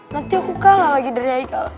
nanti aku kalah lagi dari haikal